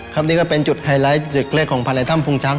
ครับนี่ก็เป็นจุดไฮไลท์จุดแรกของพาลายท่ำพุงชัง